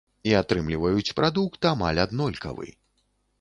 І атрымліваюць прадукт амаль аднолькавы.